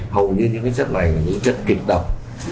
hầu như những cái chất này là những chất kịp độc